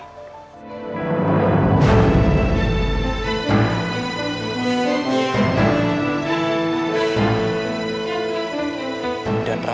kau salah man